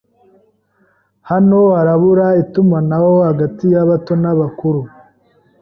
Hano harabura itumanaho hagati yabato n'abakuru.